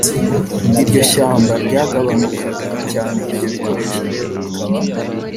iryo shyamba ryagabanukaga cyane Ibyo bikoresho rero bikaba